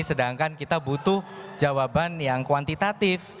sedangkan kita butuh jawaban yang kuantitatif